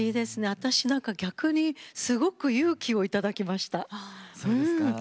私なんか、逆にすごく勇気をいただきました。